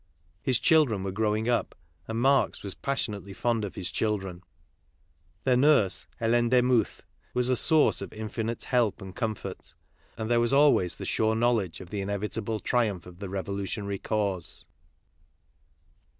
His children were growing up, and Marx was passionately fond of his children. Their nurse, Helene Demuth, was a source of infinite help and comfort, and there was always the sure knowledge of the inevitable triumph of the revolu tionary cause.